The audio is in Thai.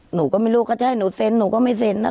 หนูก็ไม่รู้ก็จะให้หนูเซ็นหนูก็ไม่เซ็นนะ